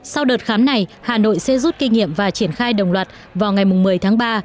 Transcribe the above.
sau đợt khám này hà nội sẽ rút kinh nghiệm và triển khai đồng loạt vào ngày một mươi tháng ba